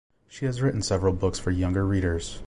She has written several books for younger readers.